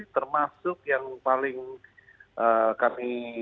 termasuk yang paling kami